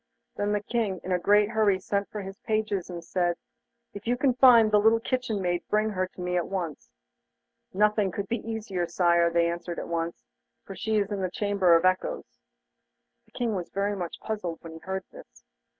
Then the King in a great hurry sent for his pages and said: 'If you can find the little kitchen maid, bring her to me at once.' 'Nothing could be easier, Sire,' they answered, 'for she is in the Chamber of Echoes.' The King was very much puzzled when he heard this.